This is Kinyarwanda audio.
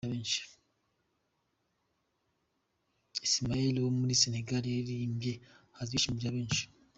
Ismaël Lô wo muri Senegal yaririmbye ahaza ibyishimo bya benshi.